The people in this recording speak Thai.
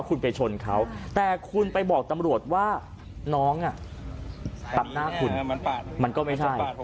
คุณไปชนเขาแต่คุณไปบอกตำรวจว่าน้องตัดหน้าคุณมันก็ไม่ใช่